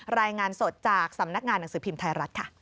รายงานสดจากสำนักงานหนังสือพิมพ์ไทยรัฐค่ะ